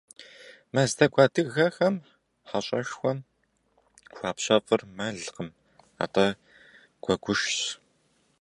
Мэздэгу адыгэхэм хьэщӏэшхуэм хуапщэфӏыр мэлкъым, атӏэ гуэгушщ.